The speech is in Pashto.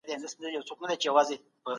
د نرمغالي مابينځ کي مي خپلي خونی ولیدلې.